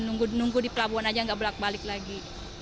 nunggu di pelabuhan aja nggak balik balik lagi